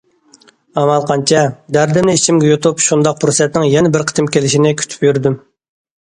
ئامال قانچە؟ دەردىمنى ئىچىمگە يۇتۇپ شۇنداق پۇرسەتنىڭ يەنە بىر قېتىم كېلىشىنى كۈتۈپ يۈردۈم.